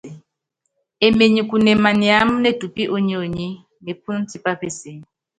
Emenyikune maniáma netupí ónyonyi, mepúnú tipá peseé.